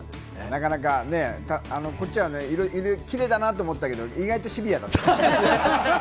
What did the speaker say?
なかなかね、こっちは色がキレイだなと思ったけれども、意外とシビアだったんですね。